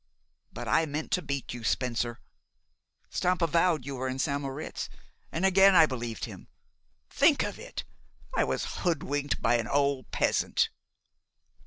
But I meant to beat you, Spencer. Stampa vowed you were in St. Moritz. And again I believed him! Think of it I was hoodwinked by an old peasant."